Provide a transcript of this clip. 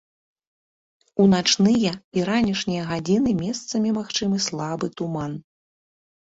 У начныя і ранішнія гадзіны месцамі магчымы слабы туман.